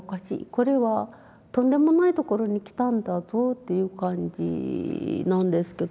これはとんでもないところに来たんだぞっていう感じなんですけど。